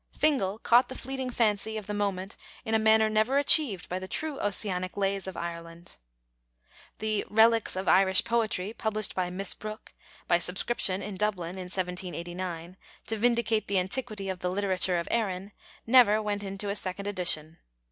Fingal caught the fleeting fancy of the moment in a manner never achieved by the true Ossianic lays of Ireland. The Reliques of Irish Poetry, published by Miss Brooke by subscription in Dublin in 1789 to vindicate the antiquity of the literature of Erin, never went into a second edition.